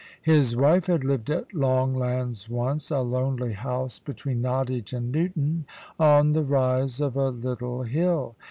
His wife had lived at Longlands once, a lonely house between Nottage and Newton, on the rise of a little hill.